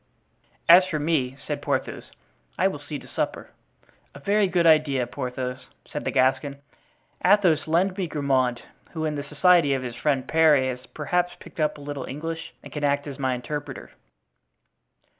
"As for me," said Porthos, "I will see to the supper." "A very good idea, Porthos," said the Gascon. "Athos lend me Grimaud, who in the society of his friend Parry has perhaps picked up a little English, and can act as my interpreter."